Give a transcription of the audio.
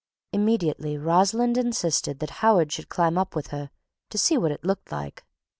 Immediately Rosalind insisted that Howard should climb up with her to see what it looked like.